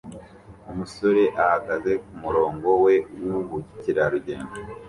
Umusore ahagaze kumurongo we wubukerarugendo